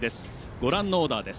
ご覧のオーダーです。